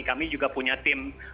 kami juga punya tim